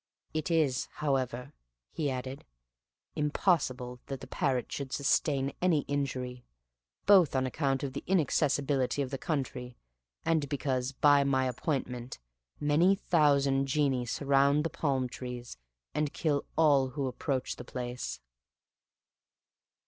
It is. however," he added, "impossible that the parrot should sustain any injury, both on account of the inaccessibility of the country, and because, by my appointment, many thousand genii surround the palm trees, and kill all who approach the place."